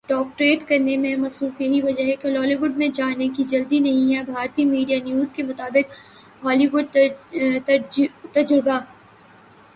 direct کرنے میں مصروف یہی وجہ ہے کہ لالی ووڈ میں جانے کی جلدی نہیں ہے بھارتی میڈیا نیوز کے مطابق ہالی ووڈ تجربہ